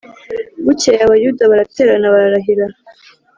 Bukeye Abayuda baraterana bararahira